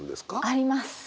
あります！